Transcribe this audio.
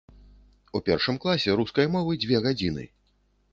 У першым класе рускай мовы дзве гадзіны.